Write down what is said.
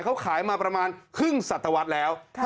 เขาขายมาประมาณครึ่งสัตวรรษแล้ว